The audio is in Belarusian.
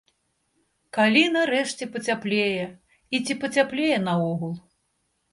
Калі нарэшце пацяплее і ці пацяплее наогул?